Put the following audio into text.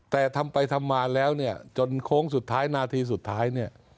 แต่ทำไปทำมาแล้วเนี่ยจนโค้งสุดท้ายนาทีสุดท้ายเนี่ย